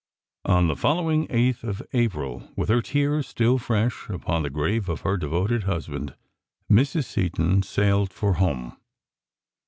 On the following 8th of April, with her tears still fresh upon the grave of her devoted husband, Mrs. Seton sailed for home.